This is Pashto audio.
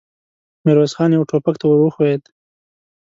ميرويس خان يوه ټوپک ته ور وښويېد.